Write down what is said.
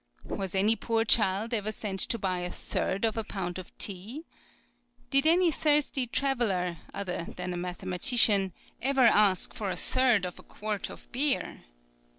Was any poor child ever sent to buy a third of a pound of tea ? Did any 766 SCIENCE. [N. S. Vol. III. No. 73. thirsty traveller, other than a mathema tician, ever ask for a third of a quart of beer